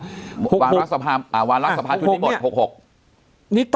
วาลักษณ์สภาพวาลักษณ์สภาพชุดนี้หมด๖๖